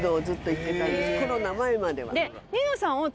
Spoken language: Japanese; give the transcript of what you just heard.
コロナ前までは。